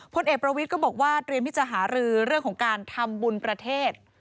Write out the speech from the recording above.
พลเอกประวิทย์ก็บอกว่าเตรียมที่จะหารือเรื่องของการทำบุญประเทศ